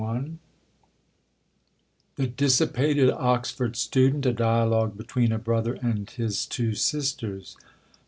219 The dissipated Oxford Student, a Dialogue BETWEEN a BrOTHER AND HIS TWO SiSTERS.